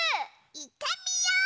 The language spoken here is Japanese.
いってみよう！